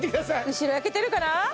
後ろ焼けてるかな？